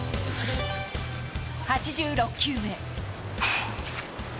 ８６球目。